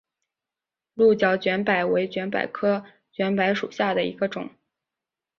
鹿角卷柏为卷柏科卷柏属下的一个种。